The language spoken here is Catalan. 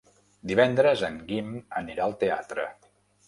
Divendres en Guim anirà al teatre.